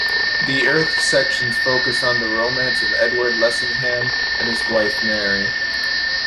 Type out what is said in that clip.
The Earth sections focus on the romance of Edward Lessingham and his wife Mary.